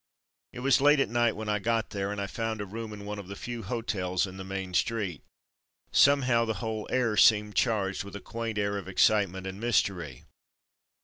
It was late at night when I got there, and I found a room in one of the few hotels in the main street. Somehow the whole air seemed charged with a quaint air of excitement and mystery.